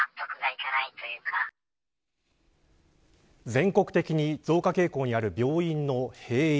全国的に増加傾向にある病院の閉院。